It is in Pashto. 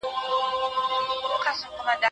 علمي تحقیق پرته له پلانه نه پراخیږي.